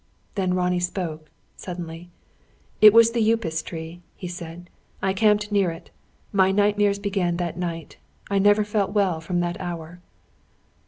Then Ronnie spoke, suddenly. "It was the Upas tree," he said. "I camped near it. My nightmares began that night. I never felt well, from that hour."